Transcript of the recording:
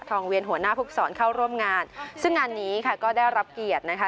เวียนหัวหน้าภูกษรเข้าร่วมงานซึ่งงานนี้ค่ะก็ได้รับเกียรตินะคะ